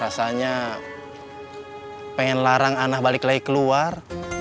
rasanya pengen larang anah balik lagi keluar